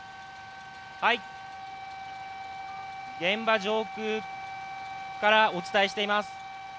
現場上空からお伝えしています。